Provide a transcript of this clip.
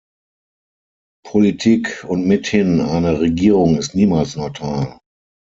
Politik, und mithin eine Regierung, ist niemals neutral.